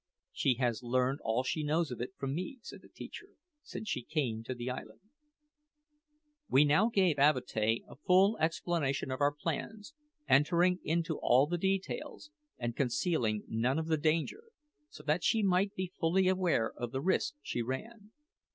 "She has learned all she knows of it from me," said the teacher, "since she came to the island." We now gave Avatea a full explanation of our plans, entering into all the details, and concealing none of the danger, so that she might be fully aware of the risk she ran.